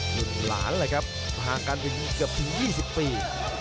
รุ่นหลานเลยครับห่างกันถึงเกือบถึง๒๐ปี